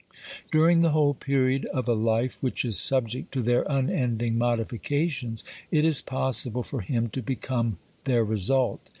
During the whole period of a life which is subject to their unending modifications, it is possible for him to become their result.